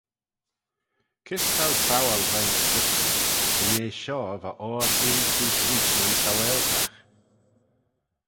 Kys t'ou prowal veih'n Scriptyr, dy nee shoh va oyr irree seose reesht nyn saualtagh?